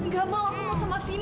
gak mau aku mau sama bino